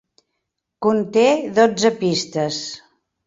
Conté dotze pistes.